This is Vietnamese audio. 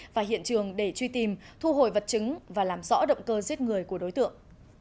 và hiện trường để truy tìm thu hồi vật chứng và làm rõ động cơ giết người của đối tượng